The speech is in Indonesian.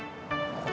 gw jadi kenung